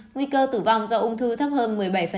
nguy cơ tử vong do ung thư thấp hơn một mươi bảy